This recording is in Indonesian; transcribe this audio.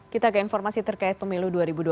kita ke informasi terkait pemilu dua ribu dua puluh